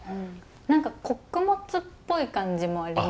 何か穀物っぽい感じもありません？